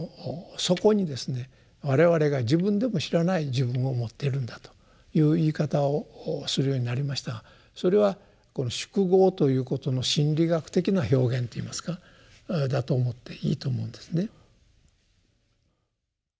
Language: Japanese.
我々が自分でも知らない自分を持ってるんだという言い方をするようになりましたがそれはこの「宿業」ということの心理学的な表現といいますかだと思っていいと思うんですね。